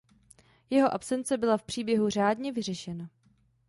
Jeho absence byla v příběhu řádně vyřešena.